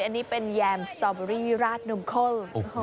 อันนี้เป็นแยมสตอเบอรี่ราดนมข้น